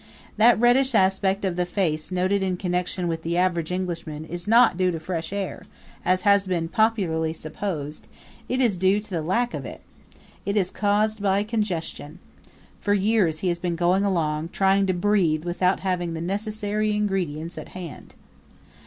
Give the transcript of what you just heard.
That reddish aspect of the face noted in connection with the average Englishman is not due to fresh air, as has been popularly supposed; it is due to the lack of it. It is caused by congestion. For years he has been going along, trying to breathe without having the necessary ingredients at hand.